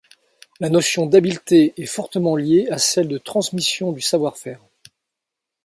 La notion d’habileté est fortement liée à celle de transmission du savoir-faire.